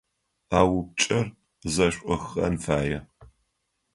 А упчIэр зэшIохыгъэн фае.